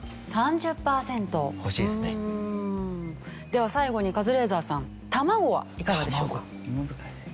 では最後にカズレーザーさん卵はいかがでしょうか？